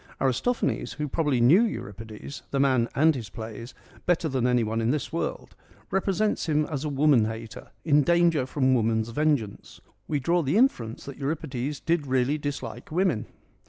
Aristophanes, who probably knew Euripides — the man and his plays — better than anyone in this world, represents him as a woman hater in danger from woman's vengeance. We draw the inference that Euripides did really dislike women.